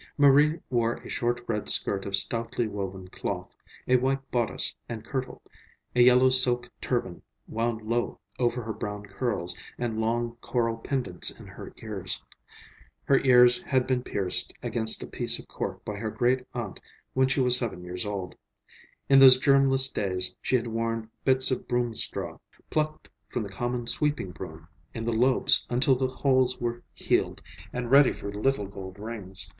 Marie wore a short red skirt of stoutly woven cloth, a white bodice and kirtle, a yellow silk turban wound low over her brown curls, and long coral pendants in her ears. Her ears had been pierced against a piece of cork by her great aunt when she was seven years old. In those germless days she had worn bits of broom straw, plucked from the common sweeping broom, in the lobes until the holes were healed and ready for little gold rings.